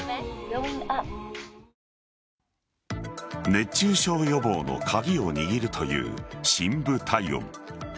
熱中症予防の鍵を握るという深部体温。